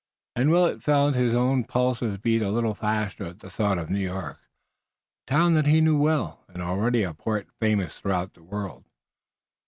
And Willet felt his own pulses beat a little faster at the thought of New York, a town that he knew well, and already a port famous throughout the world.